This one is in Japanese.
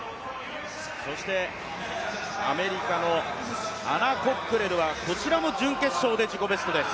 そしてアメリカのアナ・コックレルはこちらも準決勝で自己ベストです。